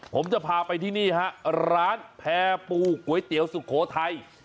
ผมจะพาไปที่นี่ฮะร้านแพร่ปูก๋วยเตี๋ยวสุโขทัย